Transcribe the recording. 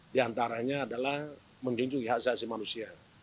di antaranya adalah menyingkirkan asasi manusia